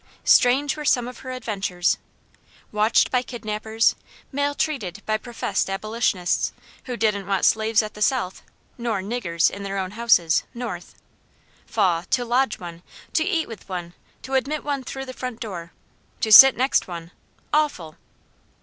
Strange were some of her adventures. Watched by kidnappers, maltreated by professed abolitionists, who didn't want slaves at the South, nor niggers in their own houses, North. Faugh! to lodge one; to eat with one; to admit one through the front door; to sit next one; awful!